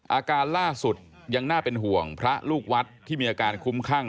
อาการล่าสุดยังน่าเป็นห่วงพระลูกวัดที่มีอาการคุ้มข้าง